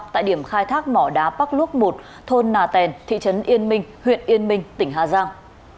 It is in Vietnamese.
tại điểm khai thác mỏ đá bắc luốc một thôn nà tèn thị trấn yên minh huyện yên minh tỉnh hà giang